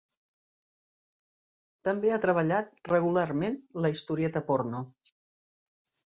També ha treballat regularment la historieta porno.